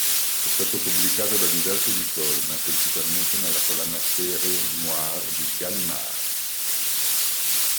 È stato pubblicato da diversi editori, ma principalmente nella collana Série noire di Gallimard.